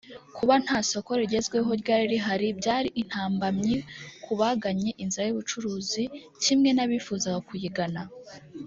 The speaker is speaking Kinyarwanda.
Kuba nta soko rigezweho ryari rihari byari intambamyi ku bagannye inzira y’ubucuruzi kimwe n’abifuzaga kuyigana